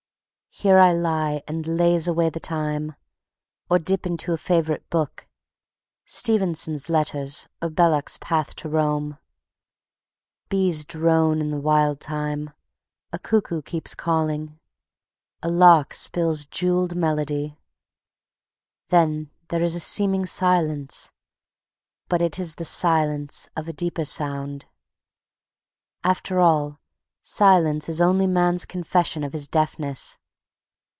Here I lie and laze away the time, or dip into a favorite book, Stevenson's Letters or Belloc's Path to Rome. Bees drone in the wild thyme; a cuckoo keeps calling, a lark spills jeweled melody. Then there is a seeming silence, but it is the silence of a deeper sound. After all, Silence is only man's confession of his deafness.